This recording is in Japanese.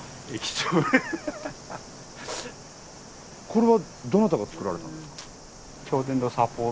これはどなたが作られたんですか？